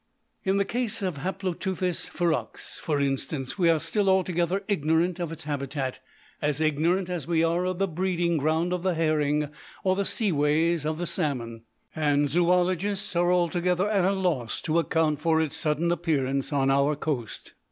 In the case of Haploteuthis ferox, for instance, we are still altogether ignorant of its habitat, as ignorant as we are of the breeding ground of the herring or the sea ways of the salmon. And zoologists are altogether at a loss to account for its sudden appearance on our coast.